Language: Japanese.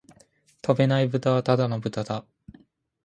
飛べないブタはただの豚だ